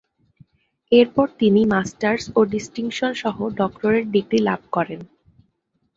এরপর তিনি মাস্টার্স ও ডিসটিঙ্কশন-সহ ডক্টরেট ডিগ্রী লাভ করেন।